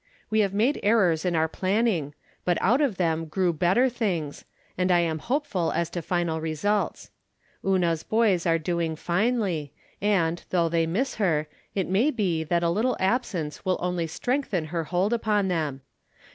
We made some errors in our planning, but out of them grew better things, and I am hopeful as to final results. Una's boys are doing finely, and, though they miss her, it may be that a little absence will only strengthen her hold upon them.